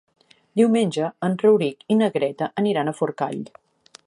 Diumenge en Rauric i na Greta aniran a Forcall.